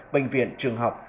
bệnh viện trường học